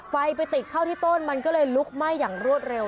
ไปติดเข้าที่ต้นมันก็เลยลุกไหม้อย่างรวดเร็ว